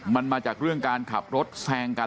มันมาจากเรื่องการขับรถแซงกัน